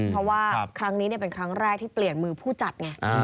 เพราะว่าครั้งนี้เป็นครั้งแรกที่เปลี่ยนมือผู้จัดไง